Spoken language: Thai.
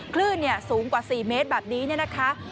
ขึ้นสูงกว่า๔เมตรแบบนี้นะคะ